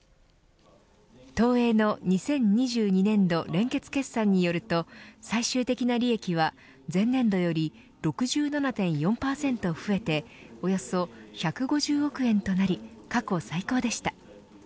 東映の２０２２年度連結決算によると最終的な利益は前年度より６７．４％増えておよそ１５０億円となり過去最高でした。